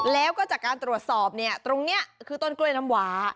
แล้วก็จากการตรวจสอบเนี่ยตรงนี้คือต้นกล้วยน้ำหวา